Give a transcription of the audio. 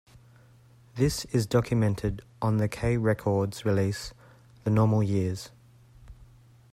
This is documented on the K Records release "The Normal Years".